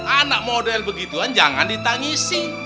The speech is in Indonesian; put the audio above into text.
anak model begituan jangan ditangisi